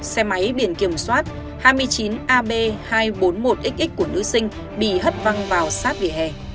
xe máy biển kiểm soát hai mươi chín ab hai trăm bốn mươi một xx của nữ sinh bị hất văng vào sát vỉa hè